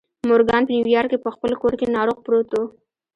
مورګان په نيويارک کې په خپل کور کې ناروغ پروت و.